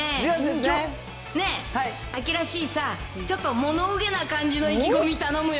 きょうね、秋らしいさあ、ちょっとものうげな感じの意気込み頼むよ。